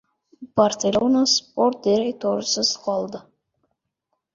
"Barselona" sport direktorisiz qoldi